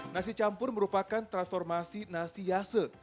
nasi campur merupakan transformasi nasi yase